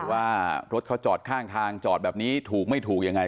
ว่ารถเขาจอดข้างทางจอดแบบนี้ถูกไม่ถูกยังไง